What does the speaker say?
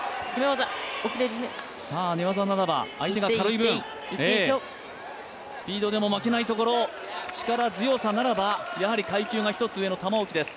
寝技ならば、相手が軽い分スピードでも負けないところ力強さならばやはり階級が１つ上の玉置です。